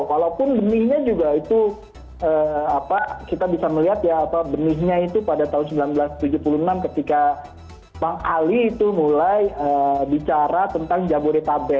walaupun benihnya juga itu kita bisa melihat ya apa benihnya itu pada tahun seribu sembilan ratus tujuh puluh enam ketika bang ali itu mulai bicara tentang jabodetabek